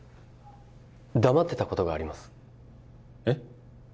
黙ってたことがありますえっ？